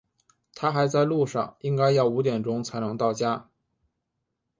他还在路上，应该要五点钟才能到家。